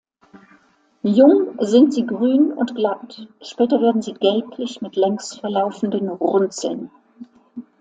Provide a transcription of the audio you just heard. Jung sind sie grün und glatt, später werden sie gelblich mit längs verlaufenden Runzeln.